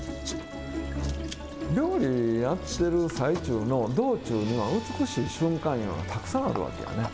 料理やってる最中の道中には美しい瞬間いうのがたくさんあるわけやね。